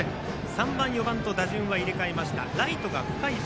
３番、４番と打順は入れ代わりました。